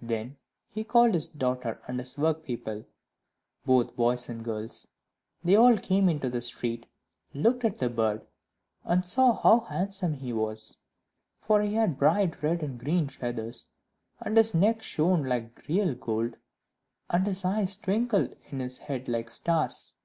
Then he called his daughter and his workpeople, both boys and girls; they all came into the street, looked at the bird, and saw how handsome he was; for he had bright red and green feathers, and his neck shone like real gold, and his eyes twinkled in his head like stars.